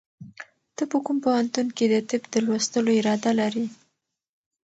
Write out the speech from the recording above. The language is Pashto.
ته په کوم پوهنتون کې د طب د لوستلو اراده لرې؟